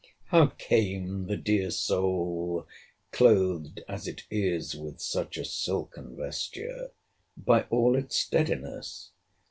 How came the dear soul, (clothed as it is with such a silken vesture,) by all its steadiness?